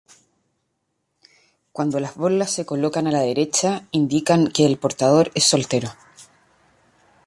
Cuando las borlas se colocan a la derecha indican que el portador es soltero.